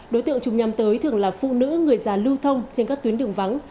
đối tượng chúng nhằm tới thường là phụ nữ người già lưu thông trên các tuyến đường vắng